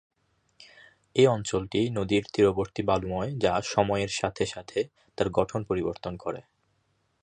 এই অঞ্চলটি নদীর তীরবর্তী বালুময়, যা সময়ের সাথে সাথে তার গঠন পরিবর্তন করে।